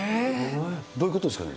どういうことですかね？